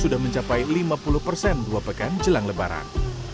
sudah mencapai lima puluh persen dua pekan jelang lebaran